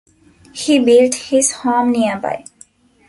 He built his home nearby.